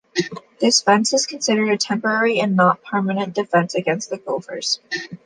This fence is considered a temporary and not permanent defense against the gophers.